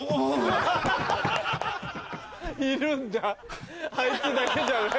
いるんだあいつだけじゃないんだ。